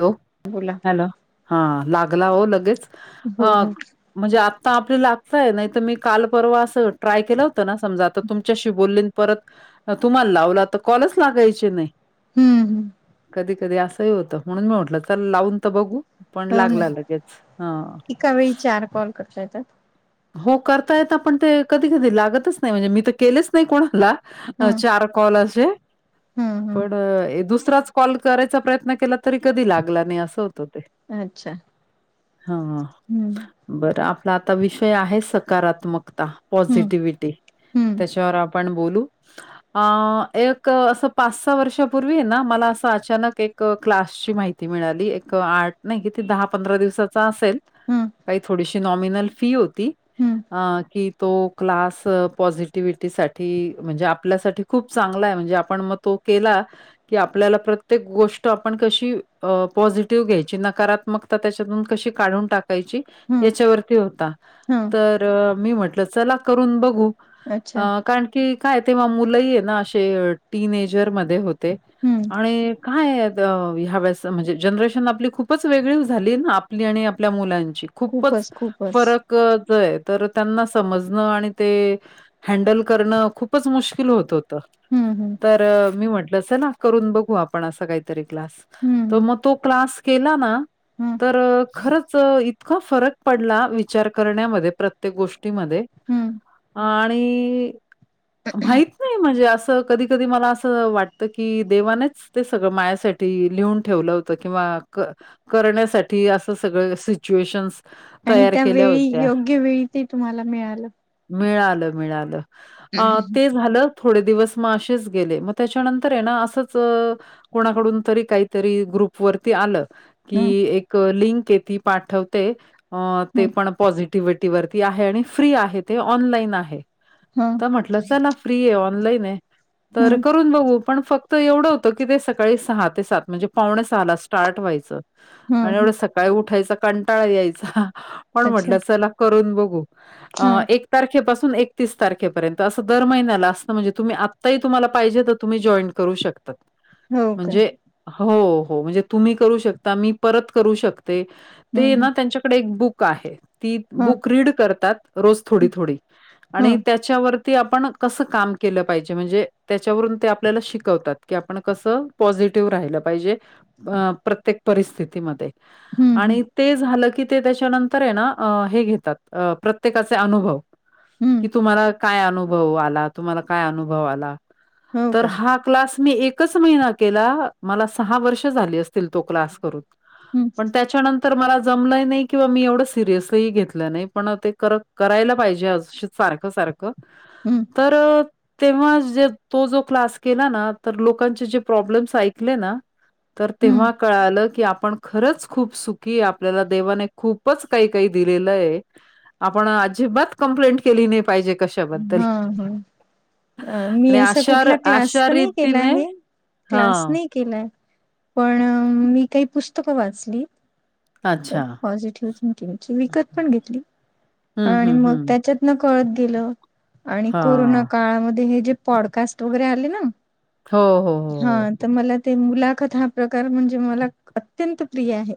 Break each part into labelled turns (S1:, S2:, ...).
S1: Hello.
S2: बोला.
S1: Hello हां लागला हो लगेच
S2: हो
S1: आ
S2: हो
S1: म्हणजे आत्ता आपली लागतंय, नाही तर मी काल परवा असं ट्राय केलं तर ना समजा आता तुमच्याशी बोलेल परत तुम्हाला लावला तर कॉलच लागायचे नाही.
S2: हम्म हम्म.
S1: कधी कधी असंही होतं म्हणून मी म्हटलं चल लावून तर बघू. पण
S2: हो ना
S1: लागला लगेच हां.
S2: आत्ता येतोय?
S1: हो करता येत पण ते कधी कधी लागतच नाही म्हणजे मी तर केलेच नाही कोणाला.
S2: ह
S1: अ चार कॉल असे
S2: ह ह
S1: पण ए दुसराच कॉल करायचा प्रयत्न केला तरी कधी लागला नाही असं होतं ते.
S2: अच्छा.
S1: हम्म बरं आपला आता विषय आहे सकारात्मकता.
S2: हम्म
S1: पॉझिटिव्हिटी
S2: हम्म
S1: त्याच्यावर आपण बोलू. आ एक असं पाच सहा वर्षापूर्वी आहे ना मला असं अचानक एक क्लास ची माहिती मिळाली एक आठ नाही किती दहा पंधरा दिवसाचा असे सेल
S2: हम्म
S1: काही थोडीशी नॉमिनल फी होती
S2: हम्म
S1: अं की तो क्लास पॉझिटिव्हिटी साठी म्हणजे आपल्यासाठी खूप चांगला आहे म्हणजे आपण मग तो केला की आपल्याला प्रत्येक गोष्ट आपण कशी पॉझिटिव्ह घ्यायची नकारात्मक ता त्याच्यातून कशी काढून टाकायची
S2: हम्म
S1: याच्यावरती होता.
S2: हम्म.
S1: तर मी म्हटलं चला करून बघू
S2: अच्छा
S1: कारण की काय आहे ना तेव्हा मुलंही आहे ना असे टीन एजर मध्ये होते
S2: हम्म
S1: आणि काय ह्या वेळेस म्हणजे जनरेशन आपली खूपच वेगळी झाली आहे ना आपली आणि आपल्या मुलांची? खूपच फरक येतोय तर त्यांना समजणं आणि ते हँडल करणं खूपच मुश्किल होत हो त
S2: हम्म हम्म
S1: तर मी म्हटलं चला करून बघू आपण अस काहीतरी क्लास.
S2: हम्म
S1: तर
S2: हम्म
S1: मग तो क्लास केला ना
S2: हम्म
S1: तर खरंच इतका फरक पडला विचार करण्यामध्ये प्रत्येक गोष्टीमध्ये
S2: हम्म
S1: आणि माहित नाही म्हणजे असं कधी कधी मला असं वाटतं की देवानेच ते सगळं माझ्यासाठी लिहून ठेवलं होतं किंवा क करण्यासाठी असं सगळं सिच्युएशनस
S2: आणि त्यावेेळी योग्य वेळी ते तुम्हाला मिळालं.
S1: मिळालं, मिळालं ते झालं थोडे दिवस म असेच गेले म त्याच्यानंतर आहे ना असंच कोणाकडून तरी काहीतरी ग्रुप वरती आलं. कि
S2: हम्म
S1: एक लिंक ये ती पाठवते ते
S2: हम्म
S1: पण पॉझिटव व्हिटी वरती आहे आणि फ्री आहे ते ऑनलाईन आहे.
S2: हम्म.
S1: तर म्हटलं चला फ्री आहे ऑनलाईन आहे तर
S2: हम्म
S1: करून बघू पण फक्त एवढं होत की ते सकाळी सहा ते सात म्हणजे पाणे सहाला स्टार्ट व्हायचं
S2: हम्म
S1: आणि एवढ
S2: हम्म
S1: सका सकाळी उठायचा कंटाळा यायचा पण
S2: अच्छा
S1: म्हटलं चला करून बघू
S2: हा
S1: एक एक तारखेपासून एकतीस तारखेपर्यंत असं दर महिन्याला असत म्हणजे तुम्ही आता तुम्हा पाहिजे तुम्ही जॉईट करू शकता
S2: हो का
S1: म्हणजे हो हो म्हणजे तुम्ही करू शकता मी परत करू शकते
S2: हम्म
S1: ते
S2: हम्म
S1: ना त्यांच्याकडे एक बुक आहे ती
S2: हा
S1: बुक रीड करतात रोज थोडी, थोडी
S2: हा
S1: आणि त्याच्यावरती आपण कसं काम केलं पाहिजे म्हणजे त्याच्यावरून ते आपल्याला शिकवतात. की आपण कस पॉझिटिव्ह राहिलं पाहिजे प्रत्येक परिस्थितीमध्ये
S2: हम्म हम्म
S1: आणि ते झालं की ते त्याच्यानंतर तर ना हे घेतात प्रत्येकाचे अनुभव
S2: हम्म
S1: की तुम्हाला काय अनुभव आला तुम्हाला काय अनुभव आला
S2: हो
S1: तर
S2: का
S1: हा क्लास मी एकच महिना केला मला सहा वर्ष झाले अस तो क्लास करून
S2: हम्म
S1: पण त्याच्यानंतर मला जमलय नाही किंवा मी एवढ सिरियस ही घेतल नाही पण करत करायला पाहिजे सारख, सारखं
S2: हम्म..
S1: तर तेव्हा जे तो जो क्लास केला ना तर लोकांचे जे प्रॉब्लेम्स ऐकले ना तर
S2: हम्म
S1: तेव्हा कळालं की आपण खरंच खूप सुखी आपल्याला देवाने खूप खुपच काही, काही दिलेलय आपण अजिबात कंप्लेंट केली नाहीे पाहिजे कशा
S2: हा, हा अ मी
S1: आणि
S2: असा
S1: अशा र
S2: कुठला क्लास
S1: अशा
S2: तर नाही केला
S1: रीतीने
S2: आहे क्लास
S1: हां,
S2: नाही केलाय पण मी काही पुस्तक वाचली
S1: अच्छा.
S2: पॉझिटिव्ह थिंकिंगची विकत पण घेतली
S1: हं,
S2: आणि
S1: हं,
S2: मग
S1: हं.
S2: त्याच्यात कळत गेलं आणि कोरोना
S1: हां.
S2: काळामध्ये हे जे पॉडकास्ट वगैरे आले ना
S1: हो हो हो.
S2: हा तर मला ते मुलाखत हा प्रकार म्हणजे मला अत्यंत प्रिय आहे.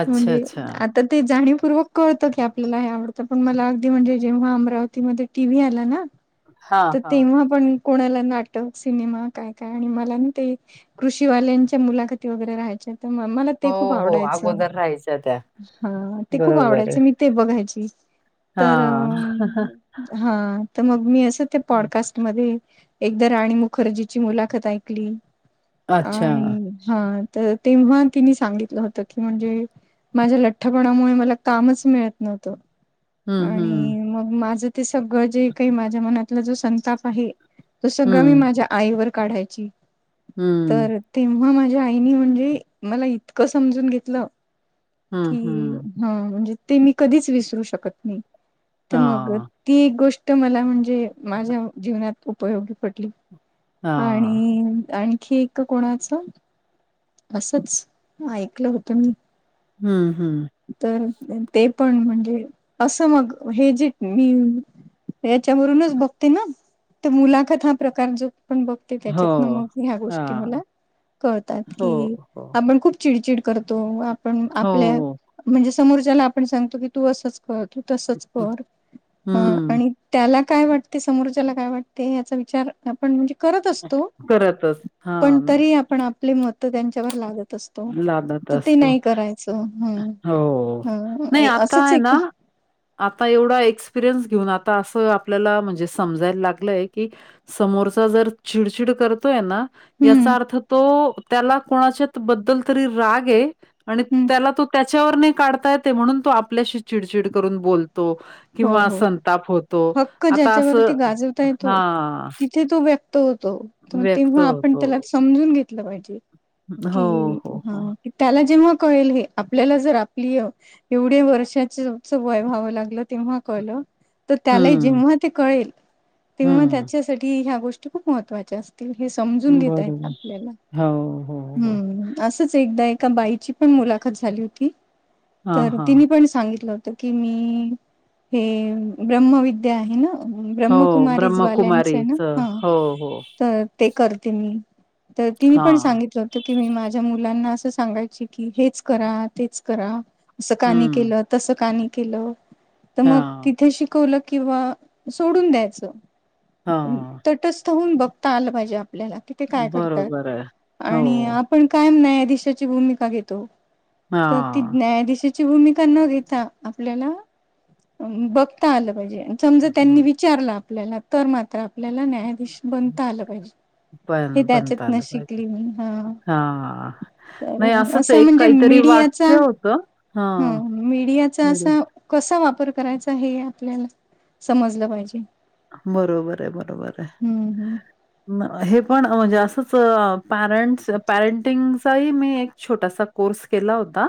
S1: अच्छा,
S2: म्हणजे
S1: अच्छा.
S2: आ तर ते जाणीवपूर्वक कळतं की आपल्याला हे आवडतं पण मला अगदी म्हणजे जेव्हा अमरावतीमध्ये टी व्ही आला ना
S1: हां,
S2: तर
S1: हां.
S2: तेव्हा पण कोणाला नाटक, सिनेमा काय, काय आणि मला ना ते कृषीवाल्यांच्या मुलाखती वगैरे राहायच्या तर मला
S1: हो,
S2: ते खूप
S1: हो.
S2: आवडायचं
S1: अगोदर राहायच्या त्या.
S2: हा ते खूप आवडायचं मी ते बघायची. तर
S1: हा.
S2: हा तर मग मी असं ते पॉडकास्ट मध्ये एकदा राणी मुखर्जीची मुलाखत ऐकली
S1: अच्छा.
S2: आणि हा तर तेव्हा तिने सांगितलं होतं की म्हणजे माझ्या लठ्ठपणामुळे मला कामच मिळत नव्हतं. आणि मग माझ ते सगळं जे काही माझ्या मनातला जो संताप आहे. ते सगळं मी माझ्या आईवर काढायची तर तेव्हा माझ्या आईनी म्हणजे, मला इतकं समजून घेतलं की हा, म्हणजे ते मी कधीच विसरू शकत नाही. तर मग ती एक गोष्ट मला म्हणजे माझ्या जीवनात उपयोगी पडली. आणि आणखी कोणाच, असच ऐकलं होत मी.
S1: हम्म, हम्म.
S2: तर ते पण म्हणजे, असं मग हे जे मी याच्यावरूनच बघते ना, ते मुलाखत हा प्रकार जो पण बघ त्याच्यातन मग म ह्या गोष्टी मला
S1: हां.
S2: कळतात
S1: हो,
S2: की,
S1: हो.
S2: आपण खूप चिडचिड करतो. आपण
S1: हो.
S2: आपल्या म्हणजे समोरच्याला आपण सांगतो की तू असच कतो तू तसच कर.
S1: हम्म.
S2: आणि त्याला काय वाटते, समोरच्याला काय वाटते याचा विचार आपण म्हणजे करत असतो,
S1: करतच
S2: पण
S1: हां,
S2: तरी आपण आपली मत त्यांच्यावर लादत असतो.
S1: लादत
S2: तर ते
S1: असतो.
S2: नाही करायच. हम,
S1: हो.
S2: हम
S1: नाही आता
S2: असंच
S1: आहे
S2: एक
S1: ना आता एवढा एक्सपिरियन्स घेऊन आता असं आपल्याला म्हणजे समजायला लागलंय की समोरचा जर चिडचिड करतोय ना,
S2: हम्म
S1: याचा अर्थ तो त्याला कोणाच्यात बद्दल तरी राग हेय. आणि
S2: हम्म
S1: त्याला तो त्याच्यावर नाही काढता येतय, म्हणून तो आपल्याशी चिडचिड करून बोलतो.
S2: हो,
S1: किंवा
S2: हो
S1: संताप होतो.
S2: हक्क
S1: आता असं
S2: ज्याच्यावरती गाजवता येतो,
S1: हां,
S2: तिथे तो व्यक्त होतो. तर मग
S1: व्यक्त
S2: तेव्हा आपण
S1: होतो.
S2: त्याला समजून घेतलं पाहिजे,
S1: हो,
S2: कि
S1: हो,
S2: हा
S1: हो.
S2: त्याला जेव्हा कळेल हे, आपल्याला जर आपली एवढ्या वर्षाचच वय व्हावं लागलंत. तेव्हा कळल, तर त्याला
S1: हं,
S2: जेव्हा ते कळेल, तेव्हा त्या
S1: हं.
S2: त्याच्यासाठी ह्या गोष्टी खूप महत्वाच्या असत. हे समजून घेतायेत
S1: बरोबर.
S2: आपल्याला.
S1: हो, हो, हो.
S2: हम्म. असंच एकदा एका बाईची पण मुलाखत झाली होती,
S1: हां,
S2: तर
S1: हां.
S2: तिने पण सांगितलं हो त की मी हे ब्रह्मविद्या आहे ना.
S1: हो,
S2: ब्रह्मकुमारीजवाल्यांच आहे ना.
S1: ब्रह्मकुमारीचं.
S2: हा
S1: हो, हो.
S2: तर ते करते मी, तर तिने पण
S1: हां,
S2: सांगितलं. की मी माझ्या मुलांना असं सांगायची की, हेच करा तेच करा, अस का नही
S1: हं,
S2: केलत? तसं का नही केलं तर मग,
S1: हां,
S2: तिथे शिकवलं किंवा सोडून द्यायचं.
S1: हां,
S2: तटच बघता आलं पाजे आपल्याला, की ते काय करत
S1: बरोबर आहे. हो,
S2: आणि कायम न्यायाधीशाची भूमिका घेतो. तर ती
S1: हां.
S2: न्यायाधीशच ची भूमिका न घेता आपल्याला बघता आलं पाहिजे, समजा त्यांनी
S1: हं,
S2: विचारलं आपल्याला तर मात्र आपल्याला न्याया धिश बनता आलं पाहिजे. हे
S1: पण
S2: त्याच्यात
S1: बनता
S2: न
S1: आलं पाहिजे.
S2: शिकली मी हा,
S1: हां,
S2: तर
S1: नाही असंच
S2: असं
S1: एक
S2: म्हणजे
S1: काहीतरी
S2: मीडिया
S1: वाक्य
S2: च,
S1: होतं. हां,
S2: मीडियाच अस
S1: बरं.
S2: कसा वापर करायचा हे आपल्याला, समजलं पाहिजे.
S1: बरोबर आहे. बरोबर आहे.
S2: हम्म हम्म
S1: हे पण म्हणजे असंच पॅरेंट्स पॅरेंटिंगचाही मी एक छोटासा कोर्स केला होता.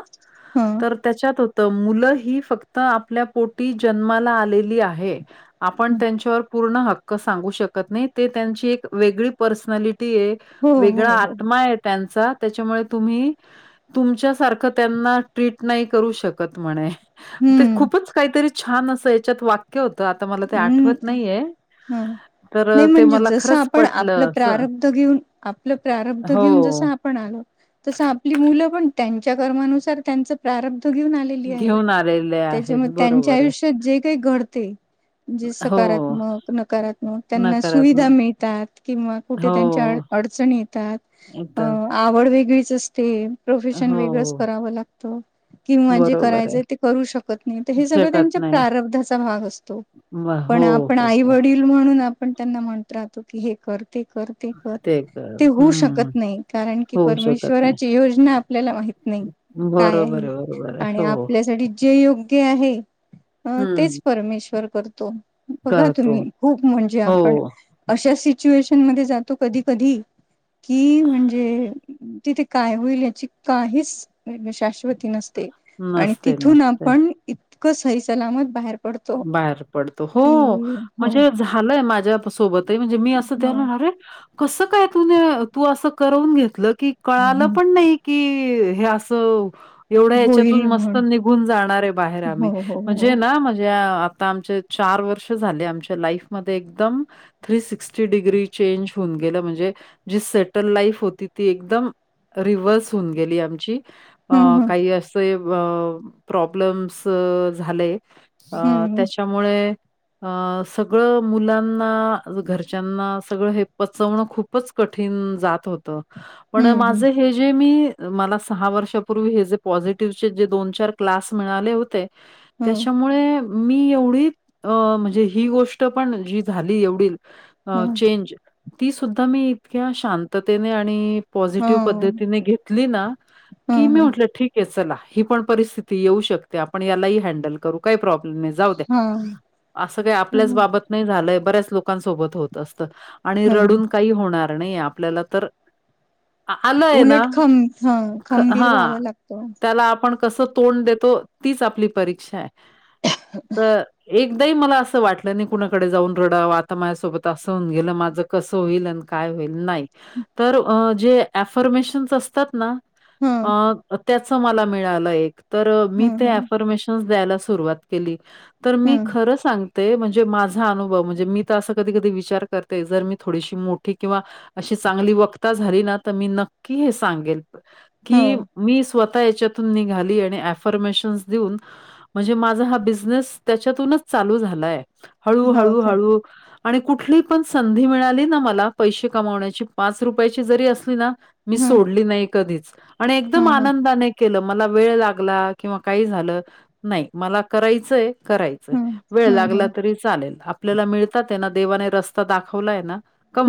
S2: हा
S1: तर त्याच्यात त मुलं ही फक्त आपल्या पोटी जन्माला आलेली आहे. आपण
S2: हा.
S1: त्यांच्यावर पूर्ण हक्क सांगू शकत नाही. ते त्यांची एक वेगळी पर्सनॅलिटी आहे.
S2: हो हो
S1: वेगळा
S2: हो
S1: आत्मा आहे त्यांचा. त्याच्यामुळे तुम्ही तुमच्या सारखं त्यांना ट्रीट नाही करू शकत म्हणे. ते
S2: हम्म
S1: खूपच काहीतरी छान असं याच्यात वाक्य होतं. आता मला ते आठ आठवत
S2: हम्म
S1: नाहीये.
S2: हा
S1: तर
S2: नाही
S1: अ, ते
S2: म्हणजे
S1: मला
S2: जस
S1: खरंच
S2: आपण आपलं
S1: पटलं असं.
S2: प्रारब्ध घेऊन आपलं प्रारब्ध घेऊन जस
S1: हो,
S2: आपण आलो. तसं आपली मुल पण त्यांच्या कर्मानुसार त्यांच प्रारब्ध घेऊन आले. डेली आहे.
S1: घेऊन आलेले
S2: त्याच्यामुळे
S1: आहेत.
S2: त्यांच्या
S1: बरोबर आहे.
S2: आयुष्यात जे काही घडते. जे
S1: हो,
S2: सकारात्मक नकारात्मक त्यांना सुविधा
S1: नकारात्मक.
S2: मिळतात. किंवा
S1: हो,
S2: कुठे त्यांच्या अडचण येतात. अ
S1: येतात.
S2: आवड वेगळीच अस ते प्रोफेशन वेगळंच
S1: हो,
S2: करावं लागतं. किंवा जे
S1: बरोबर आहे.
S2: करायचंय ते करू शकत नाही. तर हे सगळं
S1: शकत
S2: त्यांच्या
S1: नाही.
S2: प्रारब्धाचा भाग असतो. तो
S1: मग
S2: पण
S1: हो,
S2: आपण
S1: हो,
S2: आई
S1: हो.
S2: वडील म्हणून आपण त्यांना म्हणत राहतो की हे कर ते कर ते कर
S1: तर
S2: ते होऊ
S1: हं,
S2: शकत नाही. कारण की,
S1: होऊ शकत नाही.
S2: परमेश्वराची योजना आपल्याला माहित नाही. काय
S1: बरोबर
S2: आहे.
S1: बरोबर आहे.
S2: आणि
S1: हो.
S2: आपल्यासाठी जे योग्य आहे. अ तेच
S1: हं,
S2: परमेश्वर करतो. बघा
S1: करतो.
S2: तुम्ही भूक म्हणजे
S1: हो.
S2: आपण अशा सिच्युएशन मध्ये जातो कधी कधी कि म्हणजे तिथे काय होईल याची काहीच शाश्वत ती नसते. आणि
S1: नसते,
S2: तिथून
S1: नसते.
S2: आपण इतकं सही सलामत बाहेर पडतो.
S1: बाहेर पडतो हो.
S2: कि हो
S1: म्हणजे झालंय माझ्या सोबतही म्हणजे मी असं
S2: ह
S1: त्यांना आरे कसं काय तुन, तू असं करवून घेतलं. कि कळालं पण नाही कि हे असं एवढ्या याच्यातून
S2: होईल
S1: मस्त
S2: म्हण
S1: निघून जाणार आहे बाहेर आम्ही
S2: हो हो हो
S1: म्हणजे ना, ज्या आता आमचे चार वर्ष झाले आमच्या लाईफमध्ये एकदम थ्री सिक्स्टी डिग्री चेंज होऊन गेलं. म्हणजे जी सेटल लाईफ होती ती एकदम रिव्हर्स होऊन गेली आमची. अ
S2: हम्म
S1: काही असे प्रॉब्लेम्स झाले. अ
S2: हम्म
S1: त्याच्यामुळे अ सगळं मुलांना घरच्यांना सगळं हे पचवणं खूप खूपच कठीण जात होत. पण माझ
S2: हम्म
S1: हे जे मी मला सहा वर्षापूर्वी हे जे पॉझिटिव्हचे जे दोन चार क्लास मिळाले होते.
S2: हम्म
S1: त्याच्या मी एवढी म्हणजे ही गोष्ट पण जी झाली एवढी अ
S2: हम्म
S1: चेंज ती सुद्धा मी इतक्या शांततेने आणि
S2: ह ह
S1: पॉझिटिव्ह पद्धतीने घेतली ना,
S2: ह
S1: की मी
S2: ह
S1: उठल्या त ठीक आहे चला ही पण परिस्थिती येऊ शकते. आपण यालाही हॅण्डल करू काही प्रॉब्लेम जाऊ द्या.
S2: ह
S1: असं काही आपल्याच
S2: ह
S1: बाबत नाही झालंय बऱ्याच लोकांसोबत होत असतं. आणि
S2: ह
S1: रडून काही होणार नाही. आपल्याला तर आलंय ना,
S2: उलट खं हा खंबीर
S1: हा
S2: व्हावं लागतं
S1: त्याला आपण कसं तोंड देतो. तीच आपली परीक्षा आहे. तर एकदाही मला असं वाटलं नाही. कुणाकडे जाऊन रडाव. आता माझ्यासोबत असं होऊन गेलं माझं कसं होईल आणि काय होईल नाही तर जे ऍफर्मेशन्स असतात ना
S2: हं
S1: अ त्याचं मला मिळालं एक तर मी
S2: हं
S1: ते
S2: हं
S1: ऍफर्मेशन्स द्यायला सुरवात केली, तर मी
S2: हं
S1: खर सांग ते, म्हणजे माझा अनुभव म्हणजे मी तर असं कधी कधी विचार करते, जर मी थोडीशी मोठी किंवा अशी चांगली वक्ता झाली ना तर मी नक्की हे सांगेल
S2: हो
S1: कि मी स्वतः याच्यातून निघाली आणि ऍफर्मेशन्स देऊन म्हणजे माझा हा बिझनेस त्याच्यातूनच चालू झालाय, हळू
S2: हो
S1: हळू
S2: काय
S1: हळू आणि कुठली पण संधी मिळाली ना मला पैसे कमावण्याची पाच रुपयाची जरी असली ना मी
S2: हं
S1: सोडली नाही कधीच आणि एकदम
S2: हं हं
S1: आनंदाने केलं मला वेळ लागला किंवा काही झालं नाही मला करायचंय कराय -चंय,
S2: हं
S1: वेळ
S2: हं हं
S1: लागला
S2: हं
S1: तरी चालेल, आपल्याला मिळताते ना, देवाने रस्ता दाखवलाय ना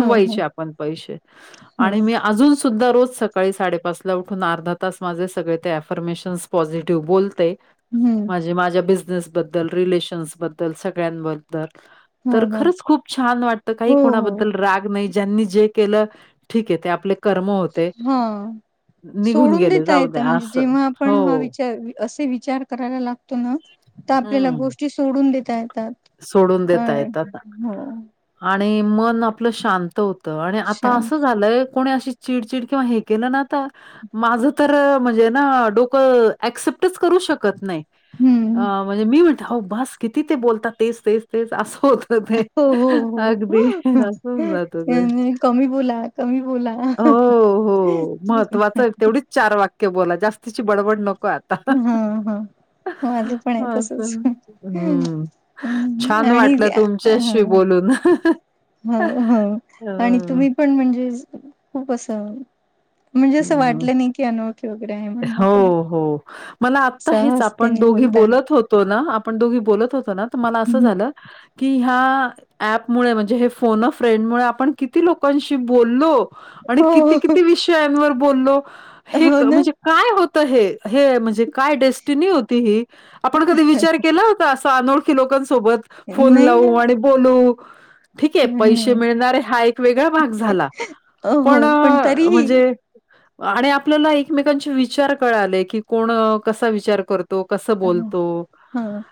S2: हं हं
S1: आपण पैसे आणि मी अजून सुद्धा रोज सकाळी साडेपाचला उठून अर्धा तास माझे सगळे ते ऍफर्मेशन्स पॉझिटिव्ह बोलते.
S2: हं
S1: माझे माझ्या बिझनेसबद्दल रिलेशन्स बद्दल सगळ्यांबद्दल तर
S2: हं हं
S1: खरंच खूप छान वाटतं काही
S2: हो, हो.
S1: कोणाबद्दल राग नाही. ज्यांनी जे केलं ठीक आहे ते आपले कर्म होते.
S2: हां.
S1: निघून
S2: सोडून
S1: गेले,
S2: देता
S1: जाऊ
S2: येतं
S1: द्या
S2: म्हणजे
S1: असं.
S2: जेव्हा आपण हा
S1: हो.
S2: विचार असे विचार करायला लागतो ना, तर आपल्याला
S1: हं.
S2: गोष्टी सोडून देता येतात.
S1: सोडून
S2: अ
S1: देता येतात.
S2: हो
S1: आणि मन आपलं शांत होतं आणि आता
S2: शांत
S1: असं झालंय कोणी अशी चिडचिड किंवा हे केलं ना तर माझं तर म्हणजे ना डोकं ऍक्सेप्टच करू शकत नाही.
S2: हम्म.
S1: अ म्हणजे मी म्हणते अहो बस किती ते बोलतात तेच तेच तेच असं होतं. ते.
S2: हो हो हो,
S1: अगदी असं होऊन जातं ते.
S2: कमी बोला. कमी बोला.
S1: हो, हो. महत्वाचं तेवढीच चार वाक्य बोला जास्तीची बडबड नको आ ता.
S2: हां, हां. माझं पण आहे तसंच.
S1: हम्म.
S2: हम्म
S1: छान
S2: आणि
S1: वाटलं तुमच्याशी
S2: हां,
S1: बोलून.
S2: हो हो आणि तुम्ही
S1: अ,
S2: पण म्हणजे खूप असं म्हणजे असं
S1: हं.
S2: वाटलं नाही की अनोळखी वगैरे आहे म्हणून आपण.
S1: हो, हो, मला हेच आपण
S2: सहजतेनी
S1: दोघी
S2: बोलता.
S1: बोलत होतो ना आपण दोघी बोलत होतो ना तर मला असं
S2: हं,
S1: झालं कि ह्या ऍपमुळं म्हणजे हे फोन अ फ्रेंडमुळे आपण किती लोकांशी बोललो. आणि
S2: हो
S1: किती किती विषयांवर बोललो हे
S2: हो ना
S1: म्हणजे काय होतं हे? हे म्हणजे काय डेस्टिनी होती ही, आपण कधी विचार केला होता असा आनोळखी लोकांसोबत फोन
S2: नाही ना
S1: लावू आणि बोलू ठीक आहे पैसे
S2: नाही.
S1: मिळणारे हा एक वेगळा भाग झाला
S2: हो हो
S1: पण
S2: तरीही
S1: म्हणजे आणि आपल्याला एकमेकांचे विचार कळाले की कोण कसा विचार कर तो कसं बोलतो.
S2: हम्म.